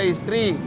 udah ada istri